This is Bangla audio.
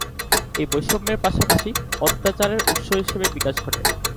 এই বৈষম্যের পাশাপাশি অত্যাচার এর উৎস হিসাবে বিকাশ ঘটে।